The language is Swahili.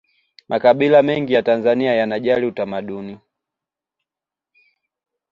makabila mengi ya tanzania yanajali utamaduni